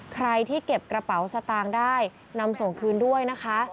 ใครที่เก็บกระเป๋าสตางค์ได้นำส่งคืนด้วยนะคะ